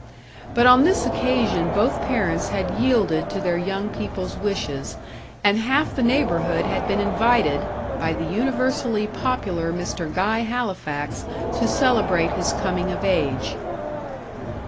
But on this occasion both parents had yielded to their young people's wishes, and half the neighbourhood had been invited, by the universally popular Mr. Guy Halifax to celebrate his coming of age.